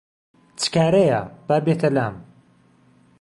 چ کارەیه با بێته لام